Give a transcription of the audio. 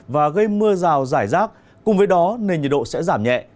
và gây mưa rào rải rác cùng với đó nền nhiệt độ sẽ giảm nhẹ